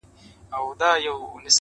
پر قبرونو مو خدای ایښی برکت دی -